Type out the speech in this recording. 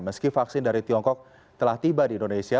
meski vaksin dari tiongkok telah tiba di indonesia